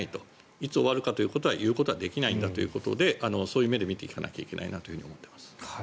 いつ終わるかということは言うことはできないんだということでそういう目で見ていかないといけないなと思っています。